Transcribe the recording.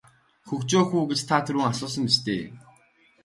Хөгжөөх үү гэж та түрүүн асуусан биз дээ.